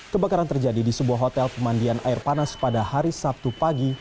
kebakaran terjadi di sebuah hotel pemandian air panas pada hari sabtu pagi